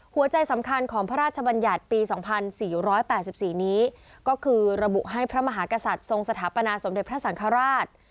หัวใจสำคัญของพระราชบัญญัติปี๒๔๘๔นี้ก็คือระบุให้พระมหากษัตริย์ทรงสถาปนาสมเด็จพระสังฆราช